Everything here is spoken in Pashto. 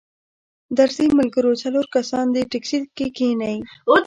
درځئ ملګرو څلور کسان دې ټیکسي کې کښینئ.